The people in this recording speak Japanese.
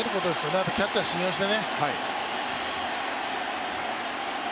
あとはキャッチャーを信用してね。